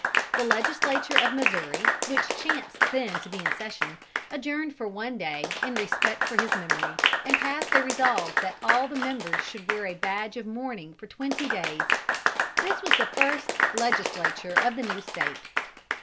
The Legislature of Missouri, which chanced then to be in session, adjourned for one day, in respect for his memory, and passed a resolve that all the members should wear a badge of mourning for twenty days. This was the first Legislature of the new State.